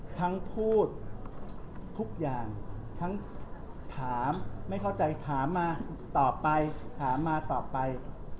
ทั้งพูดทุกอย่างทั้งถามไม่เข้าใจถามมาตอบไปถามมาตอบไป